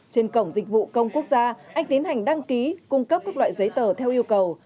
trên cổng dịch vụ công quốc gia anh tiến hành đăng ký cung cấp các loại giấy tờ theo yêu cầu